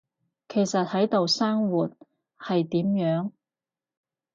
其實喺度生活，係點樣？